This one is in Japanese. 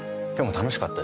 楽しかった。